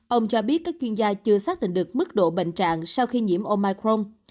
ông cho biết các chuyên gia chưa xác định được mức độ bệnh trạng sau khi nhiễm omicron